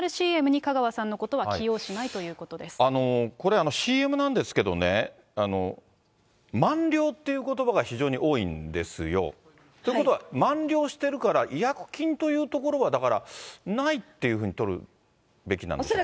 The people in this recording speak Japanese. ＣＭに香川さんのことは起用しないということでこれ、ＣＭなんですけどね、満了っていうことばが非常に多いんですよ。ということは、満了してるから違約金というところは、だからないっていうふうに取るべきなんですね？